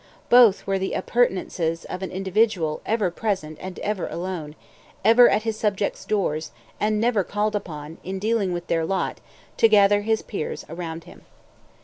Both were the appurtenances of an individual ever present and ever alone, ever at his subjects' doors, and never called upon, in dealing with their lot, to gather his peers around him.